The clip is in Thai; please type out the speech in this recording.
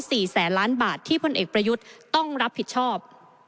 สี่แสนล้านบาทที่พลเอกประยุทธ์ต้องรับผิดชอบ